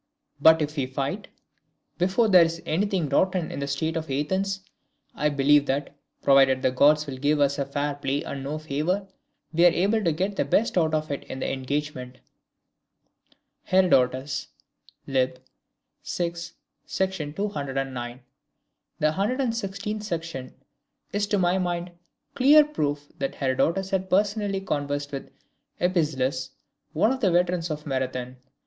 But if we fight, before there is anything rotten in the state of Athens, I believe that, provided the Gods will give fair play and no favour, we are able to get the best of it in the engagement." [Herodotus, lib. vi. sec. 209. The 116th section is to my mind clear proof that Herodotus had personally conversed with Epizelus, one of the veterans of Marathon.